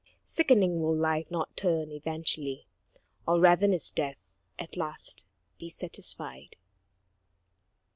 Sickening, will Life not turn eventually, Or ravenous Death at last be satisfied?